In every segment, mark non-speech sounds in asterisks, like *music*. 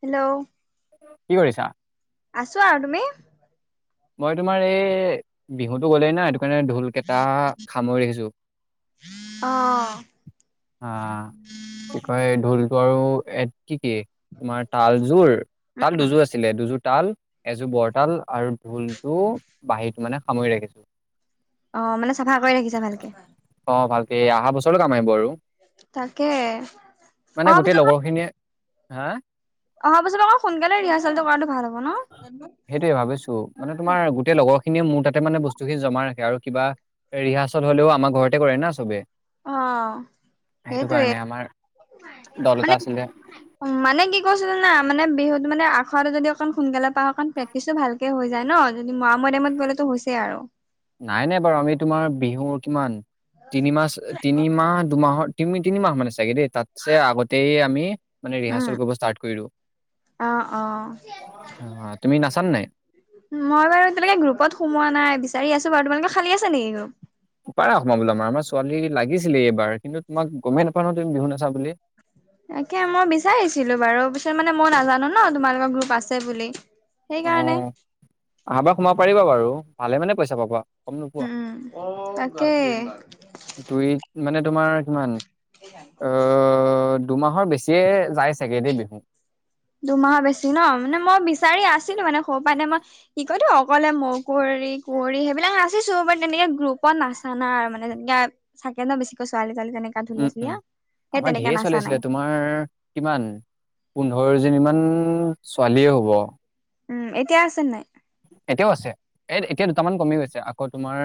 Hello কি কৰিছা। আছো আৰু তুমি? মই তোমাৰ এই বিহুতো গ'লেই না। মানে ঢোলকেইটা সামৰি আহিছো। অ' কি কয় ঢোল। ত আৰু এ কি কি তোমাৰ তালযোৰ তাল উম দুযোৰ আছিলে দুযোৰ। তাল এযোৰ বৰতাল আৰু ঢোলটো বাঁহীত মানে সামৰি ৰাখিছো। অ' মানে চাফা কৰি ৰাখিছা ভালকে। অ ভালকে অহা বছৰো কাম আহিব আৰু তাকে মানে অহা গোটেই বছৰ লগৰ খিনিয়ে হা অহা পাছত আকৌ সোনকালে ৰিহাৰ্চেলটো কৰাটো ভাল হব ন সেইটোয়ে ভাবিছো মানে তোমাৰ গোটেই লগৰ খিনিয়ে মোৰ তাতে মানে বস্তু খিনি জমা ৰাখে আৰু কিবা ৰিহাৰ্চেল হলেও আমাৰ ঘৰতে কৰে না চবে অ সেইটো সেইটোয়ে কাৰণে আমাৰ দল এটা মানে আছিলে মানে কি কৈছে জানা মানে বিহুত মানে আখাৰটো যদি অণ সোনকালে পাও অকণ প্ৰেক্টিচো ভালকে হৈ যায় ন যদি ম মৰ টাইমত গ'লেতো হৈছেই আৰু নাই নাই বাৰু আমি তোমাৰ বিহুৰ কিমান তিনিমাহ তিনিমাহ দুমাহত তিনি তিনিমাহ মানে চাগে দেই তাতছে আগতেই আমি মানে ৰিহাৰ্চেল কৰিব ষ্টাৰ্ট কৰি দিও অ অ অ তুমি নাচানে নাই মই বাৰু এতিয়ালৈকে গ্ৰুপত সোমোৱা নাই বিচাৰি আছো বাৰু তোমালোকৰ খালী আছে নেকি গ্ৰুপ পাৰা সোমাবলে আমাৰ আমাৰ ছোৱালী লাগিছিলে এইবাৰ কিন্তু তোমাক গমেই নাপাও নহয় তুমি বিহু নাচা বুলি তাকে মই বিচাৰিছিলো বাৰু পিছত মানে মইও নাজানো ন তোমালোকৰ গ্ৰুপ আছে বুলি অ সেইকাৰণে আহা বাৰ সোমাব পাৰিবা বাৰু ভালে মানে পইচা পাবা কম নোপোৱা উম তাকে দুই মানে তোমাৰ কিমান স অ হ দুমাহৰ বেছিয়ে যায় চাগে দেই বিহু দুমাহৰ বেছি ন মানে মই বিচাৰি আছো সেই মানে স প নে মই কি কতো অকলে ম কী কোঁ সেইিলাক নাচিছো বু তেনেকে গ্ৰুপত ত নাচানাই আৰু মানে যেনে চাগে ন বেছিকৈ ছোৱালী ছোৱালী তেনেকা ঢুলীয়া উম উম চুলীয়া সেই আমাৰ তেনেকে ঢেৰ নাচা ছোৱালি নাই। আছিলে তোমাৰ কিমান পোন্ধৰজনীমান ছোৱালীয়ে হ'ব উম এতিয়া আছে নাই এতিয়াও আছে এ এতিয়া দুটামান কমি গৈছে আকৌ তোমাৰ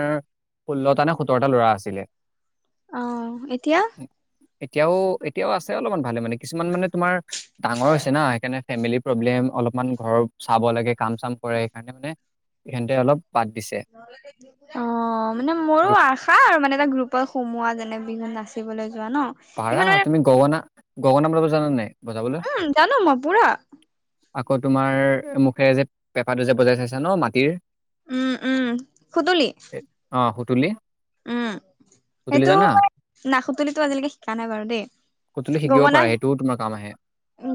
ষোল্লটা নে সোতৰটা ল'ৰা আছিলে অ এতিয়া এতিয়াও এতিয়াও আছে অলপমান ভালে মানে কিছুমান মানে তোমাৰ ডাঙৰ হৈছে না সেইকাৰণে ফেমেলি প্ৰব্লেম অলপমান ঘৰৰ চাব লাগে কাম চাম কৰে সেইকাৰণে মানে সহেঁতে অলপ বাদ দিছে অ মানে মোৰো গ্ৰুপ- আশা আৰু মানে এটা গ্ৰুপত সোমোৱা যেনে বিহুনাচিম পাৰা তুমি গগনা গগনা বজাব জানা নে নাই বজাবলৈ উম জনো ম ই পুৰা আকৌ তোমাৰ মুখেৰে যে পেপাটো যে বজাই চাইছা ন মাটিৰ উম, উম, খুদুলি। এ- অ সুতুলি উম, সুতুলি সেইটো জানা এই, না খুদুলিটো আজিলৈকে জানে বাৰু দেই, সুতুলি শিকিব গগনা পাৰা সেইটোও তোমাৰ কাম আহে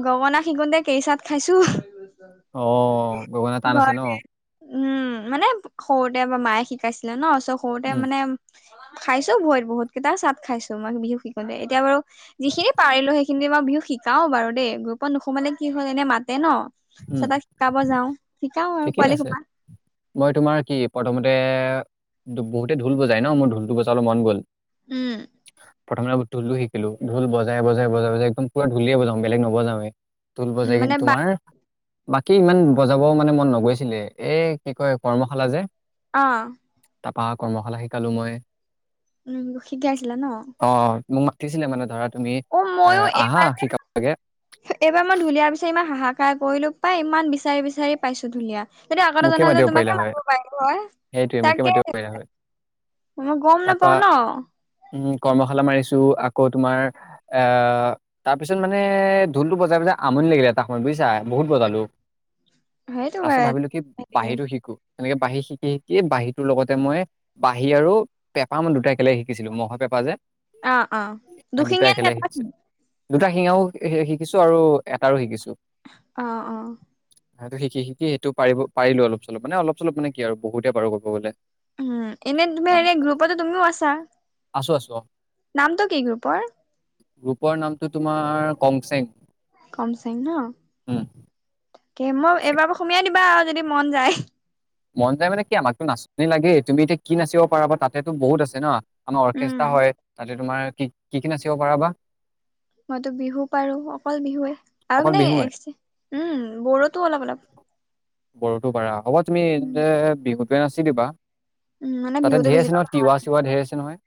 গগনা শিকোঁতে কেইচাট খাইছো। অ গগনা টান আছে ন ঘৰতে, উম, মানে সৰুতে মা মায়ে শিকাইছিলে ন'। ত' সৰুতে উম মানে খাইছোঁ বহুত, বহুত কেইটা চাত খাইছোঁ মই বিহু শিকিবলৈ, এতিয়া বাৰু যিখিনি পাৰিলো, সেইখিনি বিহু শিকাও বাৰু দেই, গ্ৰুপত নোসোমালে কি হ'ল? এনে মাতে ন', উম চ' তাত শিকাব যাওঁ। ঠিকেই আছে মই তোমাৰ কি প্ৰথমতে বহুতে ঢোল বজাই ন মোৰঢোঁলতো বজাবলৈ মন গ'ল উম প্ৰথমে ঢোঁলতো শিকিলো ঢোঁল বজাই বজাই বজাই বজাই একদম পুৰাঢোঁলেই বজাওঁ বেলেগ নবজাওে ঢোঁল উম বজাই কি মানে বা তোমাৰ বাকী ইমান বজাব মানে নগৈছিলোএই কি কয় কৰ্মশালা যে অ তাৰপা আকৌ কৰ্মশালা শিকালো মই উম, শিকাইছিলা ন'। অ মোক মাতিছিলে মানে, ধৰা তুমি অ', এ ময়ো আহা এইবাৰ যে, শিকাব লাগে এইবাৰ মই ঢুলীয়া বিচাৰি ইমান হাহাক ট্ৰাই কৰিলো পাই, ইমান বিচাৰি বিচাৰি পাইছো ঢুলীয়া। সেইটো আগতেই মোকে জনা হ'লে, মাতিব পাৰিলা তোমাকেই হয় মাতিব পাৰিলোঁ হয়, সেইটোৱে মোকে মাতিব তাকেহে। পাৰিলা হয় মই গম তাপা নাপাওঁ ন'। উম, কৰ্মশালা মাৰিছো, আকৌ তোমাৰ আহ তাৰপিছত মানে ঢোলটো বজাই বজাই আমনি লাগিলে এটা সময়ত, বুজিছা? বহুত বজালোঁ। সেইটো হয়। বাঁহীটো শিকো। এনেকে বাঁহী শিকি শিকি, বাঁহীটোৰ লগতে মই বাঁহী আৰু পেঁপা মই দুটাই একেলগ শিকিছিলোঁ, মহৰ পেঁপা যে। অ', অ', সেই দুটা দুশিঙীয়া একেলগে পেঁপা শিকিছিলোঁ দুটা শিঙাও শিকিছোঁ আৰু এটাৰো শিকিছোঁ। অ', অ। সেইটো শিকি শিকি এইটো পাৰ পাৰিলো অলপ চলপ, মানে অলপ চলপ মানে কি আৰু? বহুতেই পাৰো ক'ব গ'লে। উম, এনেই তুমি হেৰি, গ্ৰুপতো তুমিও আছা। আছো আছো, অ'। নামটো কি গ্ৰুপৰ? গ্ৰুপৰ নামটো তোমাৰ কংচেং। কংচেং ন', উম, তাকে মই কংচেং এইবাৰ পৰা সুমিয়াই দিবা। যদি মন যায়। মন যায় মানে কি? আমাকতো নাচনি লাগেই, তুমি এতিয়া কি নাচিব পাৰা বা, তাতেতো বহুত আছে ন'। আমাৰ উম অৰ্কেষ্ট্ৰা হয়, তাতে তোমাৰ কি, কি কি নাচিব পাৰা বা? মইতো বিহু পাৰো, অকল বিহুৱেই আৰু অকল মানে বিহুৱে এক উম, বড়োতো অলপ অলপ। বড়োটো পাৰা, হ'ব তুমি এ উম বিহুটোৱেই নাচি দিবা। উম, মানে তাতে বিহুতটো ঢেৰ আছে বেছিকৈ নহয় ভাল, তিৱা চিৱা ঢেৰ আছে নহয়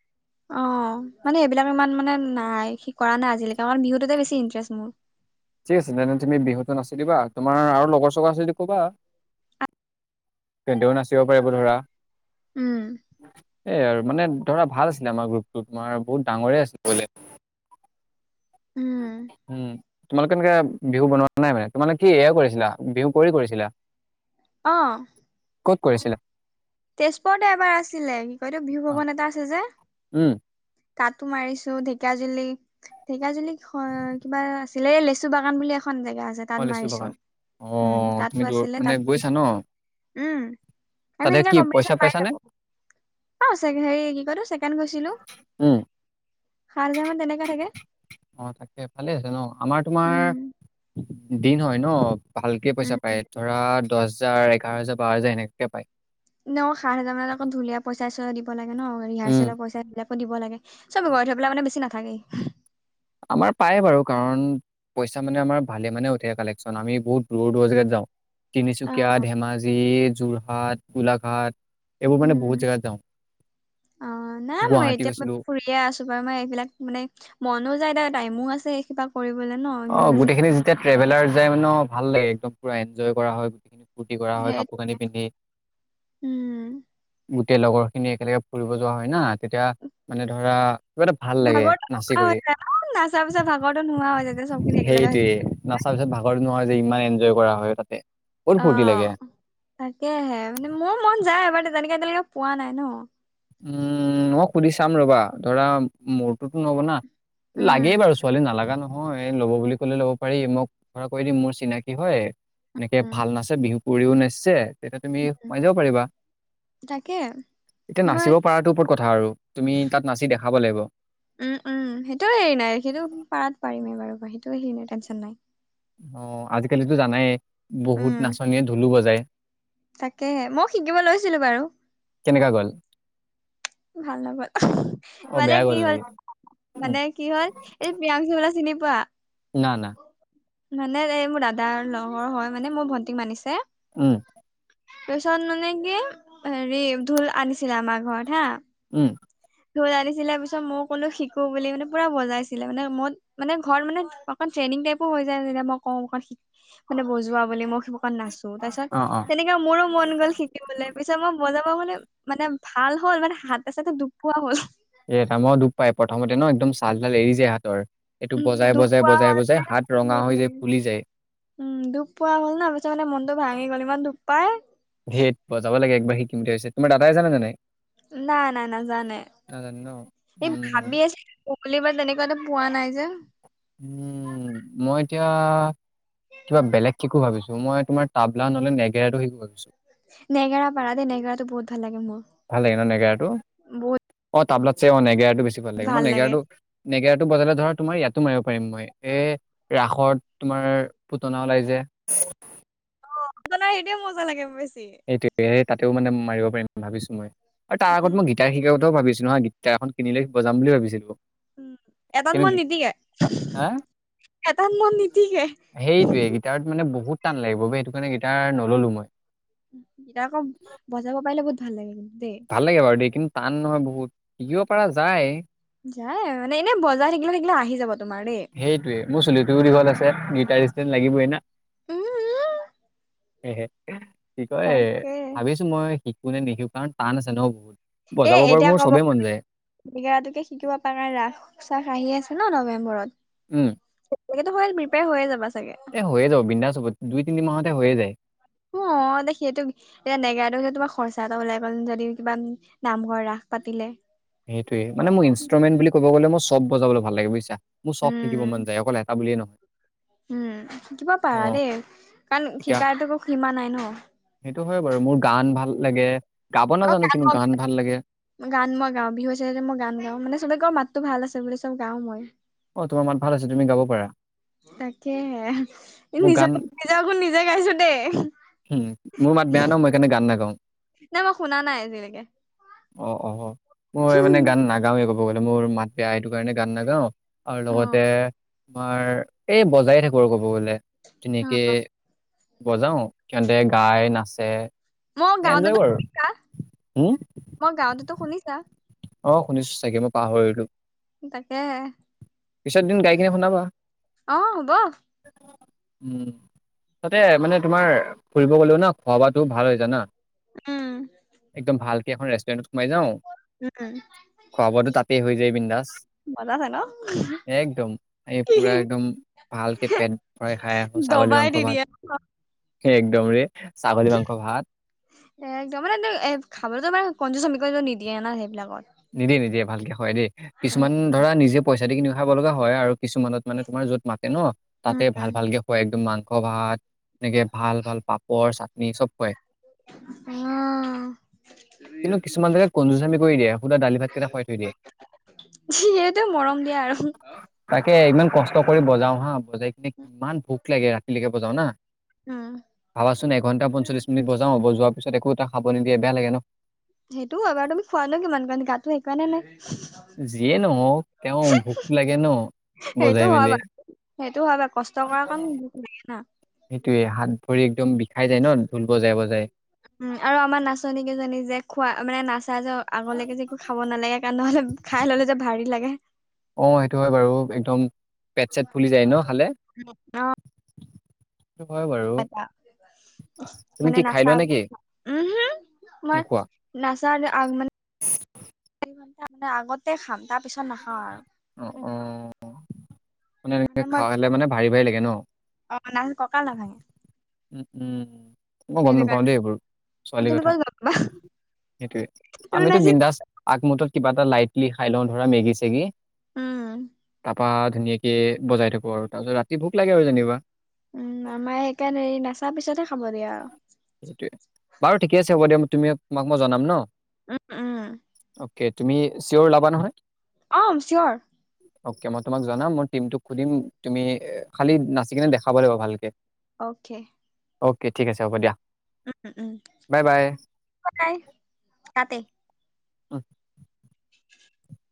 অ', মানে এইবিলাক ইমান মানে না নাই, সি কৰা নাই আজিলৈকে, আমাৰ বিহুটোতেই বেছি ইণ্টাৰেষ্ট মোৰ। ঠিক আছে তেনেহ'লে, তুমি বিহুটো নাচি দিবা, তোমাৰ আৰু লগৰ চগৰ আছে যদি ক'বা। তেহেটিও নাচিব পাৰিব ধৰা। উম। এই আৰু, মানে ধৰা, ভাল আছিলে আমাৰ গ্ৰুপটো তোমাৰ, বহুত ডাঙৰেই আছিলে বোলে। উম উম। তোমালোকে এনেকে বিহু বনোৱা নাই মানে, তোমালোকে কি এয়া কৰিছিলা? বিহু কুঁৱৰী কৰিছিলা। অ'। ক'ত কৰিছিলে? তেজপুৰতে এবাৰ আছিলে কি কয়তো বিহু ভৱন এটা আছে যে উম তাতো মাৰিছোঁ, ঢেকীয়াজুলি ঢেকীয়াজুলিত কিবা আছিলে লেচুবাগান বুলি এখন জেগা আছে অ তাত লিচু মাৰিছো, বাগান অ উম তাতো তুমি দূৰ আছিলে মানে তাত গৈছা মাৰিছো ন উম, আমি তাতে এনেকে কি কম্পিটিশন পইচা পাই পাইছানে থাকো। অ', হেৰি কতো ছেকেণ্ গৈছিলো উম। খাৰ জামান তেনেকাই থাকে। অ', তাকেই, ভালেই আছে ন', আমাৰ তোমাৰ উম দিন হয় ন'। ভালকেই উম পইচা পায়। ধৰা, দহ হোজাৰ, এঘাৰ হাজাৰ, বাৰ হাজাৰ এনেকুৱাকে পায়। ন' সাত হাজাৰ মান আকৌ ধুলীয়াৰ পইচাই দিব লাগে ন', উম। ৰিহাৰ্চেলৰ পইচা এইবিলাক। দিব লাগে, চব গৈ থৈ পেলাই মানে বেছি নাথাকেই। আমাৰ পায় বাৰু। কাৰণ পইচা মানে, আমাৰ ভালে মানে উঠে কালেকশন, আমি বহুত দূৰ-দূৰ, জেগাত যাও। অ তিনিচুকীয়া, ধেমাজি, যোৰহাট গোলাঘাট, এইবোৰ মানে উম বহুত জেগাত যাওঁ। অ', নাই মই গুৱাহাটী এতিয়া ম' গৈছিলো। ফুৰিয়ে আছো বাৰু মই এইবিলাক মানে, মনো যায় এতি টাইমো আছে *unintelligible* ন বিহু অ', নাচিব গোটেইখিনি যেতিয়া ট্ৰেভেলাৰ যাই ন', ভাল লাগে একদম পুৰা এনজয় কৰা হয় গোটেইখিনি। ফূৰ্টি কৰা হয়, সেই কাপোৰ কানি পিন্ধি। উম তেই লগৰ খিনি একেলগে ফুৰিব যোৱা হয় না', তেতিয়া মানে, ধৰা কিবা এটা ভাল লাগে ভাগৰটো নাচি নোহোৱা কৰি। হৈ যায় ন', নাচা পিছত ভাগৰটো নোহোৱা হৈ যায় চব। সেইটোৱে, নাচাৰ পিছত ভাগৰতো নোহোৱা হৈ যায়, ইমান এনজয় কৰা হয় তাতে। বহুত ফূৰ্তি লাগে অ', তাকেহে, মানে মোৰ মন যায় এবাৰ তেনেকে এতিয়ালেকে পোৱা নাই ন'। উম, মই সুধি চাম ৰ'বা, ধৰা মোৰটোতো নব না' লাগেই উম বাৰু ছোৱালী নালাগা ন হয় ল'ব বুলি কলে ল'ব পাৰি, ম'ই ধৰা কৈ দিম মোৰ চিনাকি হয়, এনেকে উম ভাল নাচে বিহু পুৰিও নাচিছে, তেতিয়া তুমি সোমাই যাব পাৰিবা। তাকে এতিয়া মই নাচিব পৰাটো ওপৰত কথা আৰু, তুমি, তাত নাচি দেখাব লাগিব। উম, উম, সেইটোও হেৰি নাই, সেইটো পাৰাত পাৰিমেই বাৰু, সেইটো হেৰি নাই, টেনশন নাই। অ', আজিকালিতো জানাই, বহুত উম নাচনীয়ে ঢোলো বজায়। তাকেহে, মই শিকিব লৈছিলো বাৰু। কেনেকা গ'ল ভাল নাপলো, অ মানে বেয়া কি গ'ল হ'ল নেকি উম মানে কি হ'ল, এই প্ৰিয়াংশু দা চিনি পোৱা না-না। মানে, এই মোৰ দাদাৰ লগৰ হয়, মানে মোক ভন্টি মানিছে উম। তাপিছত মানে কি, হেৰি ঢোল আনিছিলে আমাৰ ঘৰত হা উম লৈ আনিছিলে পিছত, মই কোনো শিকো বুলি মানে, পুৰা বজাইছিলে মানে, মত মানে ঘৰত মানে, অকণ ট্ৰেইনিং টাইপো হৈ যায় যে, মই কওঁ অকন শি মানে বজোৱা বুলি, মোক কত নাচো, তাৰ পিছত অ অ তেনেকে মোৰো মন গ'ল শিকিবলে পিছত মই বজাব বুলি, মানে ভাল হ'ল মানে হাতে চাতে দুখ পোৱা হ'ল। এটা মই দুখ পাই, প্ৰথমতে ন' একদম চাল তাল এৰি যায় হাতৰ। এইটো উম, বজাই দুখ বজাই পোৱা বজাই হ'ল বজাই যে, হাত ৰঙা হৈ সেইটোৱে যায় ফুলি যায় উম, দুখ পোৱা হ'ল ন', পিছত মানে মনটো ভাঙি গ'ল, ইমান দুখ পাই। ধেত' বজাব লাগে, একবাৰ সিকিমতি *unintelligible* হৈছে তোমাৰ দাদাই, জানে নে নাই? নাই-নাই, নাজানে, নাজানে ন এই উম ভাবি আছে বুলিবা তেনেকুৱাটো, পোৱা নাই যে'। উম, মই এতিয়া, কিবা বেলেগ শিকো ভাবিছো। মই তোমাৰ তাবলা, নহলে নেগেৰাটো শিকো ভাবিছো। নেগেৰা পাৰা দেই, নেগেৰাটো বহুত ভাল লাগে মোৰ, বহুত। তাবলাতছে অ', নেগেৰাটো বেছি ভাল লাগে। মই নেগেৰাটো-নেগেৰাটো, বজালে ধৰা তোমাৰ ইয়াত টো, মাৰিব পাৰিম মই। এই ৰাসত, তোমাৰ পুতনা ওলাই যে। আপোনাৰ *inaudible* সেইটোৱে, সেই তাতেও মানে, মাৰিব পাৰিম ভাবিছো মই। আৰু তাৰ আগত উম মই, গিটাৰ শিকাৰ কথাও ভাবিছো। নহয়, গীতাৰ এখন কিনি লৈ, বজাম বুলি ভাবিছিলোঁ। উম, এটাত মন নিটিকে। হা এটাত মন নীতিকে। সেইটোৱে গীটাৰত মানে বহুত টান লাগিব বে', সেইটো কাৰণে গীতাৰ নল'লো মই। গীতাৰ আকৌ বজাব পাৰিলে বহুত ভাল লাগে কিন্তু দেই ভাল লাগে বাৰু দেই, কিন্তু টান নহয় বহুত, শিকিব পৰা যায়। যাই আৰু মানে এনেই বজাৰ থাকিলে থাকিলে আহি যাব তোমাৰ দেই সেইটোৱে মোৰ চুলিটোও দীঘল আছে গিটাৰষ্টেন্ত লাগিবই না। উম উম কি কয়, তাকে ভাবিছো মই শিকো নে নিশিকো কাৰণ টান আছে ন বহুত এ, বজাব বাৰু এতিয়া মোৰ কব, চবেই মন যায় নেগৰাটোকে শিকিব পাৰ নাই ৰাস চাস আহি আছে। এনেও নৱেম্বৰত। উম *unintelligible* হ'ল প্ৰিপেয়াৰ হৈয়ে যাবা চো এ হৈয়ে যাব বিন্দাছ হব, দুই তিনি মাহতে হৈয়ে যায়। অ, এ সেইটো এতিয়া নেগাৰাটো যে তোমাৰ খৰচা এটা ওলাই গ'ল, যদি কিবা নামঘৰ ৰাস পাতিলে। সেইটোৱেই, মানে মোক ইনষ্ট্ৰমেণ্ট বুলি ক'ব গ'লে মই চব বজাবলৈ ভাল লাগে বুজিছা। মোৰ চব শিকিব মন উম যায়, অকল এটা বুলিয়ে নহয়। উম শিকিব পাৰা অ দেই, কাৰণ এতিয়া শিকাৰটো কোনো সীমা নাই ন'। সেইটো হয় বাৰু, মোৰ গান ভাল লাগে, গাব নাজানো কিন্তু গান ভাল লাগে ধৰা এতিয়া মই গান গাওঁ, মানে চবে কই মাততো ভাল আছে বুলি, চ' গাও মই। অ তোমাৰ মাত ভাল আছে, তুমি গাব পাৰা। তাকেহে, এই মোৰ গান নিজৰ নিজকো নিজে গাইছো দেই উম, মোৰ মাত বেয়া ন, মই সকাৰণে গান নাগাওঁ। নাই মই শুনা নাই আজিলৈকে অ'-অ'-অ', মই মানে গান নাগাঁওৱে ক'ব গ'লে মোৰ মাত বেয়া এইটোৰ কাৰণে গান নাগাওঁ, আৰু অ লগতে তোমাৰ এই বজাই থাকো আৰু ক'ব গলে, তেনেকে অ বজাও সিহঁতে গাই, নাচে। মই এনজয় গাঁওতেতো কৰো শুনিছা? হম মই গাঁওতেতো শুনিছা? অ, শুনিছো চাগে মই পাহৰিলো। তাকেহে। পিছত এদিন গাই কিনে শুনাবা। অ হ'ব উম তাতে মানে তোমাৰ ফুৰিব গলেও ন, খোৱা বোৱাতো ভাল হয় জানা। উম একদম ভালক এখন ৰেষ্টুৰেণ্টত সোমাই যাওঁ, উম খোৱা বোৱাতো তাতে হৈ যায় বিন্দাজ। মজা আছে ন একদম, এই কি পুৰা একদম ভালকে পেট ভৰাই খাই আহো ছাগলী মাংস ভাত। অ', একদম ৰে। ছাগলী মাংস ভাত একদম মানে কি এ খাবলৈতো *unintelligible* *unintelligible* নিদিয়ে না সেইবিলাকত। নিদিয়ে-নিদিয়ে ভালকে খুৱাই দেই, কিছুমান ধৰা নিজে পইচা দি কিনি খাব লগা হয় আৰু। কিছুমানত মানে তোমাৰ য'ত মাতে ন', উম তাতে ভাল ভালকে হয় একদম মা মাংস ভাত এনেকে ভাল-ভাল পাপৰ, চাটনি চব খুৱাই। উম কিন্তু কিছুমান জেগাত কনজুচামি কৰি দিয়ে। সুধা দালি ভাতকেইটা খোৱাই থৈ দিয়ে। সিহঁতেও মৰম দিয়া আৰু। তাকে ইমান কষ্ট কৰি বজাও হা বজাই কিনে কিমান ভোক লাগে ৰাতিলৈকে বজাও না। অ'। *unintelligible* এঘণ্টা পঞ্চলিছ মিনিট বজাও বজোৱাৰ পিছত একো এটা খাব নিদিয়ে বেয়া লাগে ন'। সেইটোও হয় বাৰু তুমি খোৱানে কিমান কাৰণ গাটো সেইকাৰণেই নাই। যিয়ে নহওক, তেওঁ ভোকটো লাগে ন' সেইটো বজাই হয় মেলি। বাৰু সেইটো হয় বাৰু, কষ্ট কৰাৰ কাৰণে ভুকটু লাগে না। সেইটোয়ে হাত ভৰি একদম বিষাই যায় ন', ঢোল বজাই-বজাই। উম, আৰু আমাৰ নাচনী কেইজনী যে, খোৱা মানে নাচ তাৰপিছত আগলৈকে যে একো খাব নালাগে। কাৰণ নহলে খাই ললে যে ভাৰী লাগে। অ, সেইটো হয় বাৰু। একদম পেট চেট ফুলি যায় ন খালে? অ সেইটো হয় বাৰু। তুমি মানে কি খাই নাচা লোৱা নেকি উম, হম, মই নোখোৱা নাচা আ মানে *unintelligible* আগতে খাম তাৰ পিছত নাখাওঁ আৰু। অ অ মানে এনেকে খাই আহিলে মানে ভাৰি ভাৰি লাগে ন'। অ নাচ কঁকাল নাভাঙে। উম, হম, মই গ'ম সেইটো নাপাওঁ কাৰণে। দেই এইবোৰ ছোৱালীৰ তুমি কথা। ক'ত গম পাবা সেইটোৱে, তুমি আমিতো নাচিবা। বিন্দাছ আগমতত কিবা এটা লাইটলি খাই লওঁ ধৰা মেগী চেগী। উম। বা ধুনীয়াকে বজাই থাকো আৰু তাৰপিছত ৰাতি ভোক লাগে আৰু যেনিবা। উম, আমাৰ সেইকাৰণে হেৰি নাচাৰ পিছতেহে খাব দিয়া আৰু। সেইটোৱে বাৰু ঠিক আছে হ'ব দিয়ক তুমি তোমাক মই জনাম ন'। উম, উম। অ'কে তুমি চিঅ'ৰ ওলাবা নহয়। অম, চিয়ৰ। অ'কে, মই তোমাক জনাম মই টিমোক সুধিম তুমি এ খালি নাচি কিনে দেখাব লাগিব ভালকে। অ'কে। অ'কে, ঠিক আছে হ'ব দিয়া। উম-উ-উম, বাই বাই বাই তাতে। অ'। *inaudible*